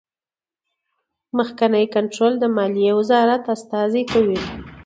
مخکینی کنټرول د مالیې وزارت استازی کوي.